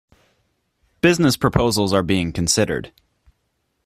Business proposals are being considered.